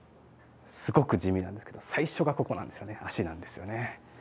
すごく地味なんですけど最初がここなんですよね足なんですよね。